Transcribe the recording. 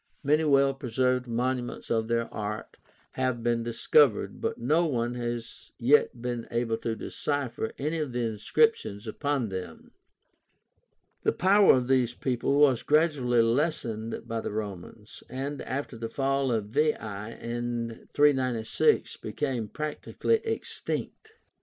Many well preserved monuments of their art have been discovered, but no one has yet been able to decipher any of the inscriptions upon them. The power of these people was gradually lessened by the Romans, and after the fall of Veii, in 396, became practically extinct.